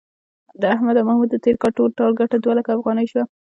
د احمد او محمود د تېر کال ټول ټال گټه دوه لکه افغانۍ شوه.